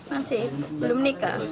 masih belum nikah